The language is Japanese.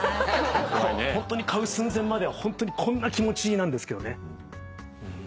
ホントに買う寸前までこんな気持ちなんですけどね。